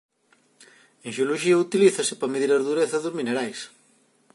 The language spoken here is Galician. En xeoloxía utilízase para medir a dureza dos minerais.